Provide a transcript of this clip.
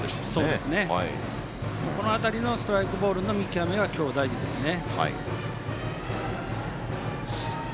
この辺りのストライクボールの見極めは今日、大事ですね。